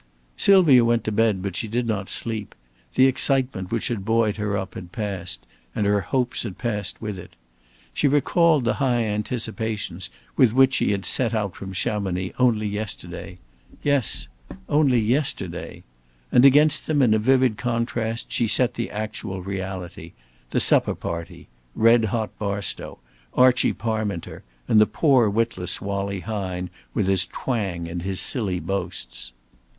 Sylvia went to bed, but she did not sleep. The excitement which had buoyed her up had passed; and her hopes had passed with it. She recalled the high anticipations with which she had set out from Chamonix only yesterday yes, only yesterday. And against them in a vivid contrast she set the actual reality, the supper party, Red hot Barstow, Archie Parminter, and the poor witless Wallie Hine, with his twang and his silly boasts.